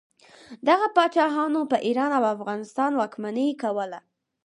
دغه پاچاهانو په ایران او افغانستان واکمني کوله.